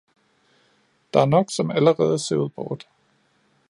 Der er nok, som allerede er sivet bort.